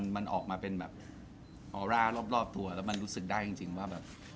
มันออกมาเป็นแบบออร่ารอบตัวแล้วมันรู้สึกได้จริงว่าแบบ